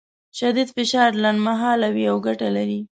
شدید فشار لنډمهاله وي او ګټه لري.